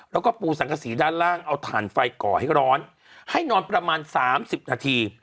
แล้วก็ปูสังกษีด้านล่างเอาถ่านไฟก่อให้ร้อนให้นอนประมาณ๓๐นาที